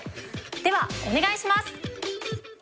ではお願いします。